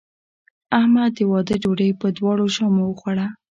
احمد د واده ډوډۍ په دواړو ژامو وخوړه.